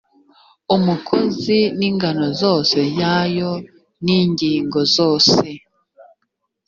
umukozi n ingano zose yayo n ingingo zose